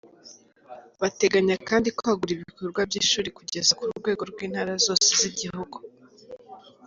Bateganya kandi kwagura ibikorwa by’ishuri kugeza ku rwego rw’intara zose z’igihugu.